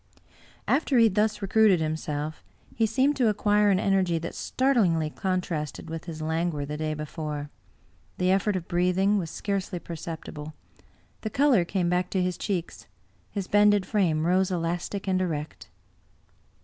After he had thus recruited himself, he seemed to acquire an energy that startlingly contrasted with his languor the day before ; the effort of breathing was scarcely perceptible ; the color came back to his cheeks; his bended frame rose elastic and erect.